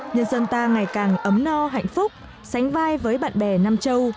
nhân dân ta ngày càng ấm no hạnh phúc sánh vai với bạn bè nam châu